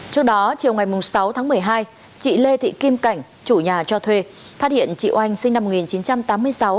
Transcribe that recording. trước đó chiều ngày sáu tháng một mươi hai chị lê thị kim cảnh chủ nhà cho thuê phát hiện chị oanh sinh năm một nghìn chín trăm tám mươi sáu